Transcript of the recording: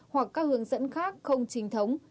hoặc các hướng dẫn khác không chính thống